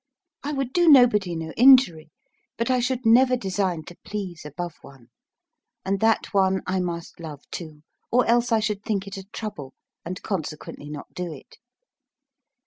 I would do nobody no injury; but I should never design to please above one; and that one I must love too, or else I should think it a trouble, and consequently not do it.